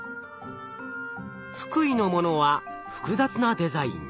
福井のものは複雑なデザイン。